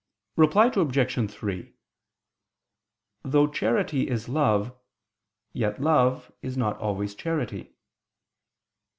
Reply Obj. 3: Though charity is love, yet love is not always charity.